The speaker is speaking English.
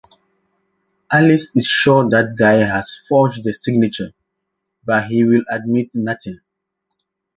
Alice is sure that Guy has forged the signature but he will admit nothing.